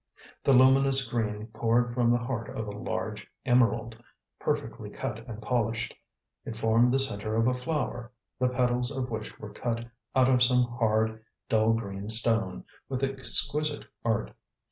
The luminous green poured from the heart of a large emerald, perfectly cut and polished. It formed the centre of a flower, the petals of which were cut out of some hard, dull green stone, with exquisite art.